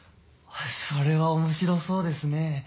それは面白そうですねえ。